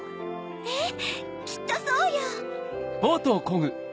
ええきっとそうよ！